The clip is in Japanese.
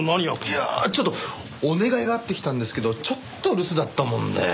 いやあちょっとお願いがあって来たんですけどちょっと留守だったもんで。